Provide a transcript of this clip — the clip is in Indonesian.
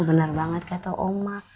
iya bener banget kata oma